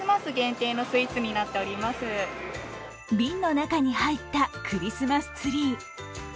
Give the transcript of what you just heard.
瓶の中に入ったクリスマスツリー。